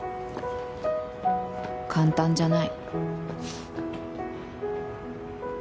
簡単じゃない。